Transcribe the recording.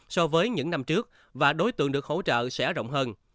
so với những năm trước và đối tượng được hỗ trợ sẽ rộng hơn